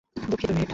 দুঃখিত, নেট।